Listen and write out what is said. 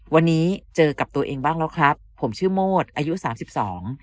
วันนี้เจอกับตัวเองบ้างแล้วครับผมชื่อโมดอายุสามสิบสอง